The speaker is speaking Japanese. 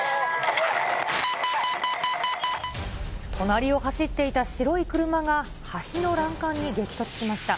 隣を走っていた白い車が、橋の欄干に激突しました。